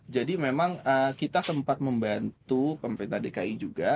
jadi memang kita sempat membantu pemerintah dki juga